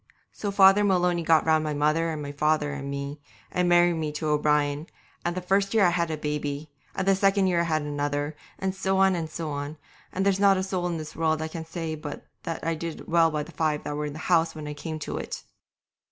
So Father Maloney got round my mother and my father and me, and married me to O'Brien, and the first year I had a baby, and the second year I had another, so on and so on, and there's not a soul in this world can say but that I did well by the five that were in the house when I came to it.